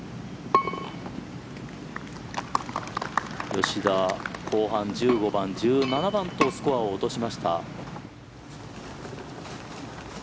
吉田、後半１５番、１７番とスコアを落としました。